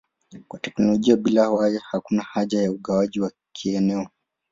Kwa teknolojia bila waya hakuna haja ya ugawaji wa kieneo.